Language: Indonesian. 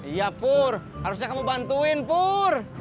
iya pur harusnya kamu bantuin pur